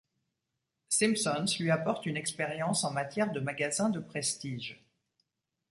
Simpsons lui apporte une expérience en matière de magasins de prestige.